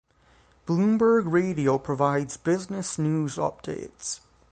Bloomberg Radio provides business news updates.